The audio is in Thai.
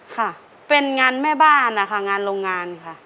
ค่ะเป็นงานแม่บ้านนะคะงานโรงงานค่ะ